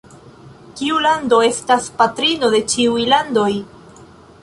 Kiu lando estas patrino de ĉiuj landoj?